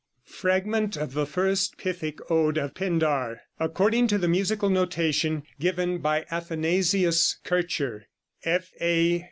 FRAGMENT OF THE FIRST PYTHIC ODE OF PINDAR, According to the musical notation given by Athanasius Kircher, (F.A.